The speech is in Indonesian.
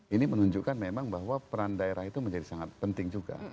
ini menunjukkan memang bahwa peran daerah itu menjadi sangat penting juga